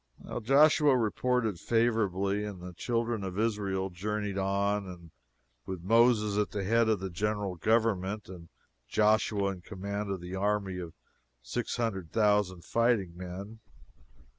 Joshua reported favorably, and the children of Israel journeyed on, with Moses at the head of the general government, and Joshua in command of the army of six hundred thousand fighting men.